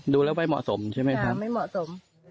ดูแล้วไม่เหมาะสมใช่ไหมครับไม่เหมาะสม